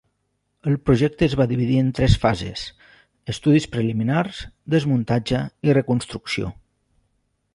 El projecte es va dividir en tres fases: estudis preliminars, desmuntatge i reconstrucció.